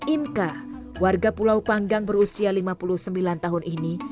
imka warga pulau panggang berusia lima puluh sembilan tahun ini